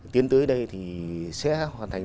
tiến tới đây thì sẽ hoàn thành